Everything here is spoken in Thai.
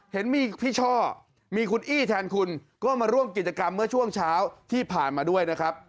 เห็นมีพี่ช่อมีคุณอี้แทนคุณก็มาร่วมกิจกรรมเมื่อช่วงเช้าที่ผ่านมาด้วยนะครับ